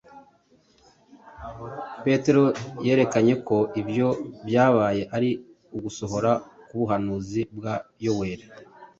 Petero yerekanye ko ibyo byabaye ari ugusohora k’ubuhanuzi bwa Yoweli